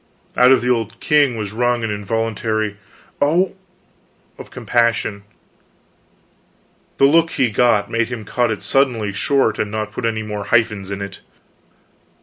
Out of the old king was wrung an involuntary "O h!" of compassion. The look he got, made him cut it suddenly short and not put any more hyphens in it.